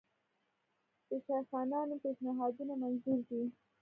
د شیخانانو پېشنهادونه منظور دي.